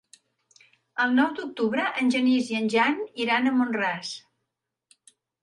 El nou d'octubre en Genís i en Jan iran a Mont-ras.